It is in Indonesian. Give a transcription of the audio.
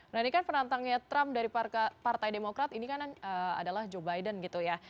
nah ini kan penantangnya trump dari partai demokrat ini kan adalah joe biden gitu ya